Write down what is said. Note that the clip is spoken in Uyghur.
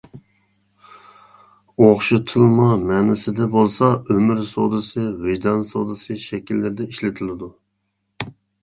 ئوخشىتىلما مەنىسىدە بولسا «ئۆمۈر سودىسى» ، «ۋىجدان سودىسى» شەكىللىرىدە ئىشلىتىلىدۇ.